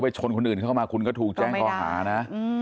ชนคนอื่นเข้ามาคุณก็ถูกแจ้งข้อหานะ